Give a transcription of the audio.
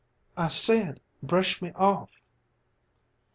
"I said: 'Brush me off.'"